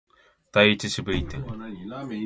第一四分位点